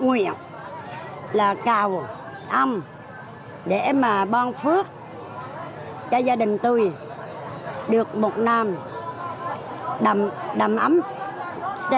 nguyện là cao âm để mà bong phước cho gia đình tôi được một năm đầm đầm ấm cho gia đình tôi được một năm đầm ấm đầm ấm